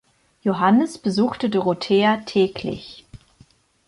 Johannes besuchte Dorothea täglich.